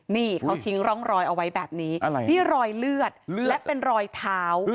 นี่เขาทิ้งร่องรอยเอาไว้แบบนี้นี่รอยเลือดและเป็นรอยเท้า